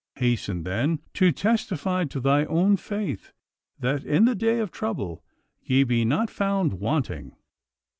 Hasten, then, to testify to thy own faith, that in the day of trouble ye be not found wanting.